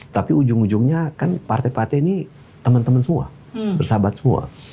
tapi ujung ujungnya kan partai partai ini teman teman semua bersahabat semua